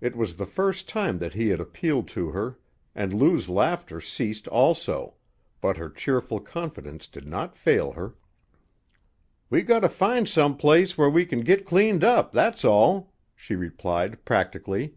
It was the first time that he had appealed to her, and Lou's laughter ceased also, but her cheerful confidence did not fail her. "We gotter find some place where we can git cleaned up, that's all," she replied practically.